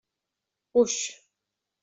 Uix!